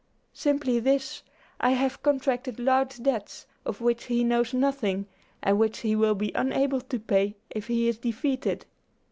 "Simply this. I have contracted large debts, of which he knows nothing, and which he will be unable to pay if he is defeated."